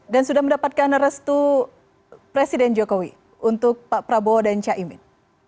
dan sudah mendapatkan restu presiden jokowi untuk pak prabowo dan cak imin